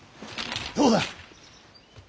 どうだ。